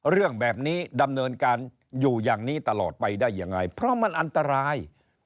เรื่องแบบนี้ดำเนินการอยู่อย่างนี้ตลอดไปได้ยังไงเพราะมันอันตราย